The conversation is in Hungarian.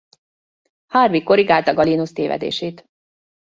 Harvey korrigálta Galénosz tévedését.